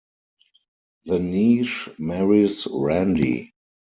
The niece marries Randy.